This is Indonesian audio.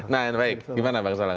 nah yang baik gimana pak eswala